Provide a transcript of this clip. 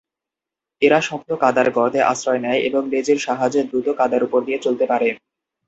এরা শক্ত কাদার গর্তে আশ্রয় নেয় এবং লেজের সাহায্যে দ্রুত কাদার উপর দিয়ে চলতে পারে।